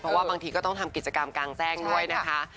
เพราะว่าบางทีก็ต้องทำกิจกรรมกลางแจ้งด้วยนะคะ